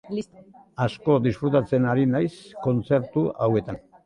Asko disfrutatzen ari naiz kontzertu hauetan.